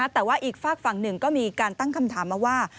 แต่ว่าอีกฝากฝั่งหนึ่งก็มีการตั้งคำถามมาว่า